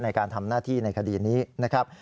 ในการทำหน้าที่ในคดีนี้นะครับ